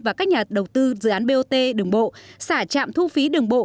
và các nhà đầu tư dự án bot đường bộ xả trạm thu phí đường bộ